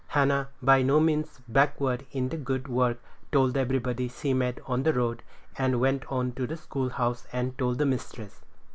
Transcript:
Hannah, by no means backward in the good work, told everybody she met on the road, and went to the school house and told the mistress.